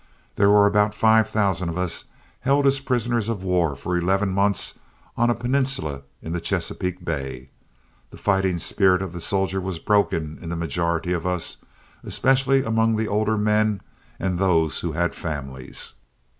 There were about five thousand of us held as prisoners of war for eleven months on a peninsula in the Chesapeake Bay. The fighting spirit of the soldier was broken in the majority of us, especially among the older men and those who had families.